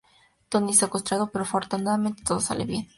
Tony es secuestrado, pero afortunadamente todo sale bien.